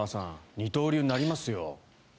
二刀流になりますよ。